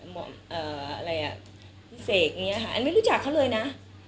เอ่ออะไรอ่ะพี่เสกอันไม่รู้จักเขาเลยนะ